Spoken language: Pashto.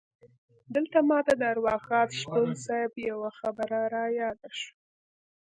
دلته ماته د ارواښاد شپون صیب یوه خبره رایاده شوه.